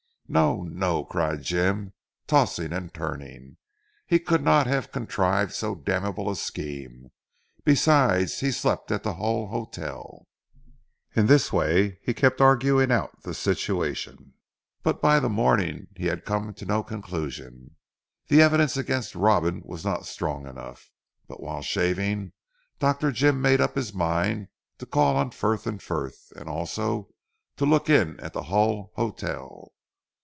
"No! No!" Cried Jim tossing and turning, "he could not have contrived so damnable a scheme. Besides he slept at the Hull Hotel." In this way he kept arguing out the situation, but by the morning he had come to no conclusion. The evidence against Robin was not strong enough. But while shaving Dr. Jim made up his mind to call on Frith and Frith, and also to look in at the Hull Hotel.